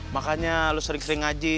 makanya lo sering sering ngaji